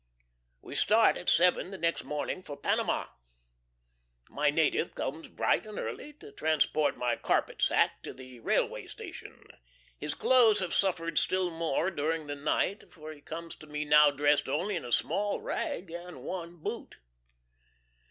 .... We start at seven the next morning for Panama. My native comes bright and early to transport my carpet sack to the railway station. His clothes have suffered still more during the night, for he comes to me now dressed only in a small rag and one boot.